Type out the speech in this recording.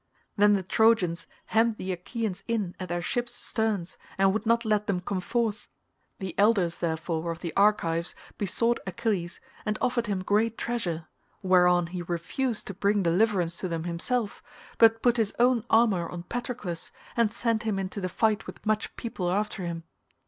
Then the Trojans hemmed the Achaeans in at their ships' sterns and would not let them come forth; the elders, therefore, of the Argives besought Achilles and offered him great treasure, whereon he refused to bring deliverance to them himself, but put his own armour on Patroclus and sent him into the fight with much people after him.